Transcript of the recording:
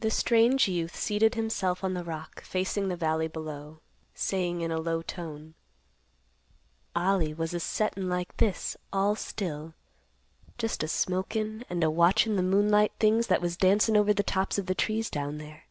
The strange youth seated himself on the rock, facing the valley below, saying in a low tone, "Ollie was a settin' like this, all still; just a smokin' and a watchin' the moonlight things that was dancin' over the tops of the trees down there."